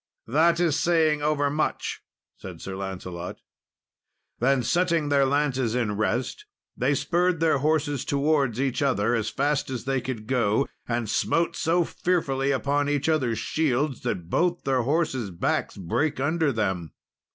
"That is saying overmuch," said Sir Lancelot. Then, setting their lances in rest, they spurred their horses towards each other, as fast as they could go, and smote so fearfully upon each other's shields, that both their horses' backs brake under them.